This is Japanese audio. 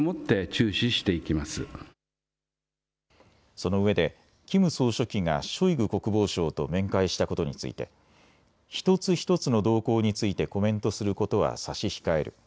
そのうえでキム総書記がショイグ国防相と面会したことについて一つ一つの動向についてコメントすることは差し控える。